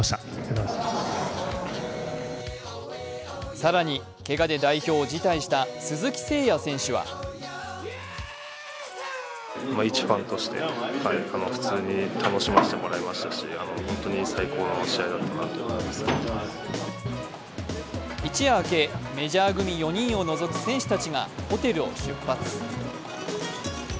更にけがで代表を辞退した鈴木誠也選手は一夜明け、メジャー組４人を除く選手たちがホテルを出発。